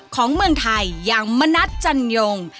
ของเมืองไทยอย่างมณัฐจันยง